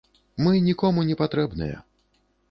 Мы нікому не патрэбныя.